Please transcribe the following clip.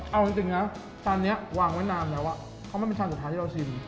เอาจริงนะจานนี้วางไว้นานแล้วเพราะมันเป็นจานสุดท้ายที่เราชิม